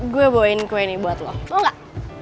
gue bawain kue ini buat lo mau gak